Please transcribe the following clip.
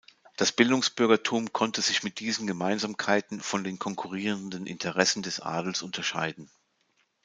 Das Bildungsbürgertum konnte sich mit diesen Gemeinsamkeiten von den konkurrierenden Interessen des Adels unterscheiden.